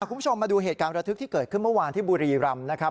คุณผู้ชมมาดูเหตุการณ์ประทึกที่เกิดขึ้นเมื่อวานที่บุรีรำนะครับ